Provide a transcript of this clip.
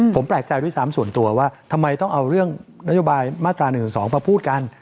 ผมแปลกใจด้วยซ้ำส่วนตัวว่าทำไมต้องเอาเรื่องนโยบายมาตรา๑๑๒มาพูดกัน